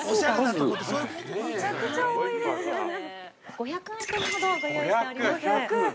◆５００アイテムほどご用意しております。